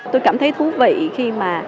tôi cảm thấy thú vị khi mà